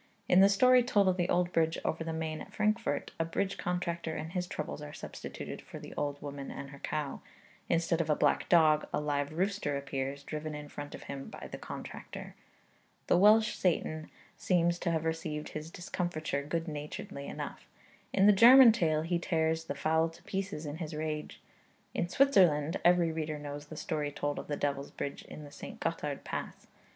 In the story told of the old bridge over the Main at Frankfort, a bridge contractor and his troubles are substituted for the old woman and her cow; instead of a black dog a live rooster appears, driven in front of him by the contractor. The Welsh Satan seems to have received his discomfiture good naturedly enough; in the German tale he tears the fowl to pieces in his rage. In Switzerland, every reader knows the story told of the devil's bridge in the St. Gothard pass.